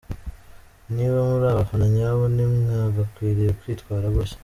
Niba muri abafana nyabo ntimwagakwiriye kwitwara gutya.